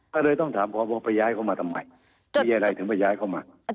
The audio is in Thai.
ก็เลยต้องถามเขาว่าไปย้ายเข้ามาทำไมมีอะไรถึงไปย้ายเข้ามา